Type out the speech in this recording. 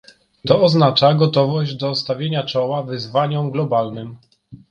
To oznacza gotowość do stawienia czoła wyzwaniom globalnym